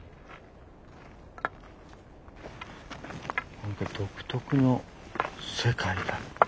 何か独特の世界だ。